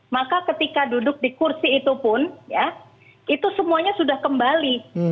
maka ketika duduk di kursi itu pun ya itu semuanya sudah kembali